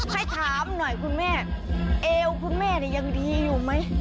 ให้ถามหน่อยคุณแม่เอวคุณแม่เนี่ยยังดีอยู่ไหม